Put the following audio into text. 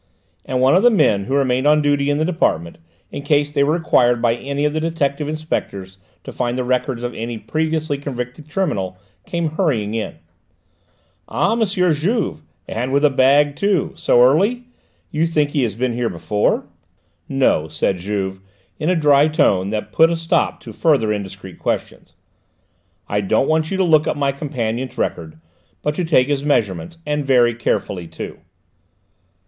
and one of the men who remained on duty in the department, in case they were required by any of the detective inspectors to find the records of any previously convicted criminal, came hurrying in. "Ah, M. Juve, and with a bag too! So early? You think he has been here before?" "No," said Juve in a dry tone that put a stop to further indiscreet questions. "I don't want you to look up my companion's record, but to take his measurements, and very carefully too."